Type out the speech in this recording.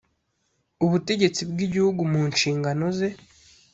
Ubutegetsi bw igihugu mu nshingano ze